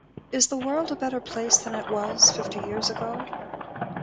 Is the world is a better place than it was fifty years ago?